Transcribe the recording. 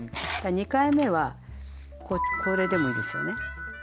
２回目はこれでもいいですよね。